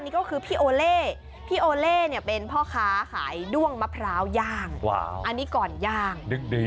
นี่มีเมนูด้วงมะพร้าวปิ้ง